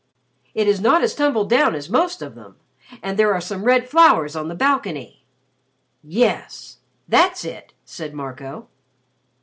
It is not as tumbled down as most of them. And there are some red flowers on the balcony." "Yes! That's it!" said Marco.